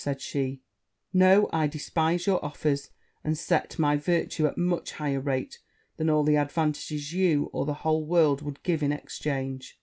said she: 'know, I despise your offers; and set my virtue at a much higher rate than all the advantages you, or the whole world, would give in exchange.'